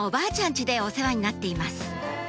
家でお世話になっています